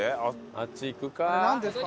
あっち行くか。